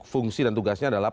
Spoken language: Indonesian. fungsi dan tugasnya adalah